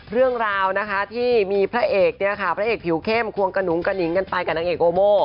เรื่องราวที่มีพระเอกผิวเข้มควงกะหนุงกะหนิงกันไปกับนางเอกโอโม